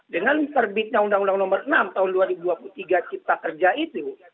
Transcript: dengan terbitnya undang undang nomor enam tahun dua ribu dua puluh tiga cipta kerja itu